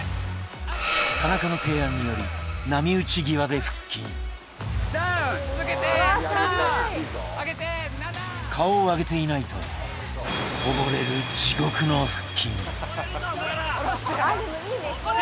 田中の提案により波打ち際で腹筋ダウン顔を上げていないと溺れる地獄の腹筋溺れるぞお前ら！